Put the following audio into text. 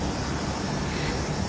えっ。